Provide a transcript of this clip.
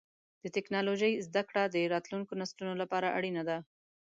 د ټکنالوجۍ زدهکړه د راتلونکو نسلونو لپاره اړینه ده.